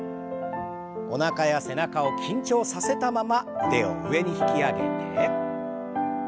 おなかや背中を緊張させたまま腕を上に引き上げて。